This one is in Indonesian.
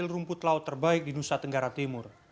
rumput laut terbaik di nusa tenggara timur